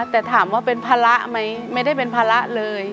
แต่ถามว่าเป็นภาระไหมไม่ได้เป็นภาระเลย